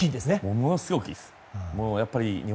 ものすごく大きいです。